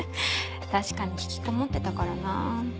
確かに引きこもってたからなぁ。